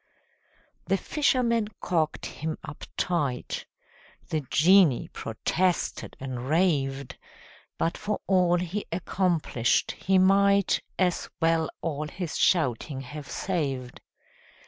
The fisherman corked him up tight: The genie protested and raved, But for all he accomplished, he might As well all his shouting have saved.